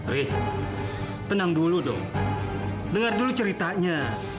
riz tenang dulu dong dengar dulu ceritanya